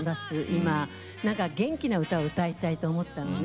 今なんか元気な歌を歌いたいと思ったのね。